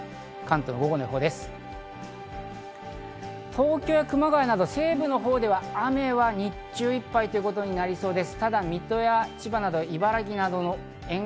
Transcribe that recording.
東京や熊谷など西部のほうでは雨は日中いっぱいということになりそうです。